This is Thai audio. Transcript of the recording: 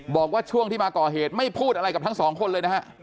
บอกว่าช่วงที่มาก่อเหตุไม่พูดอะไรกับทั้งสองคนเลยนะฮะ